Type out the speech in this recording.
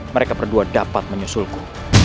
mereka berdua dapat menyusulku